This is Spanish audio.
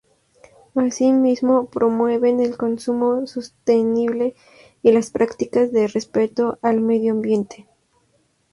Así mismo promueven el consumo sostenible y las prácticas de respeto al medioambiente.